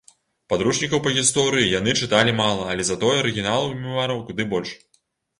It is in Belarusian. Падручнікаў па гісторыі яны чыталі мала, але затое арыгіналаў і мемуараў куды больш.